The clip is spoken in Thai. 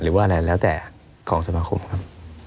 หรือว่าอะไรแล้วแต่ของสมาคมครับ